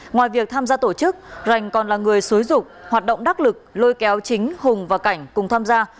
ngoài việc tham gia tổ chức rành còn là người xuối dục hoạt động đắc lực lôi kéo chính hùng và cảnh cùng tham gia